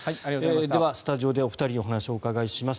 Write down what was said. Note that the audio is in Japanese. では、スタジオでお二人にお話をお伺いします。